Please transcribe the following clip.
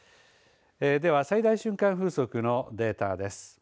では、最大瞬間風速のデータです。